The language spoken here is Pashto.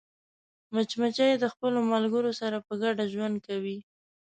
مچمچۍ د خپلو ملګرو سره په ګډه ژوند کوي